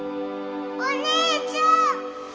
お兄ちゃん！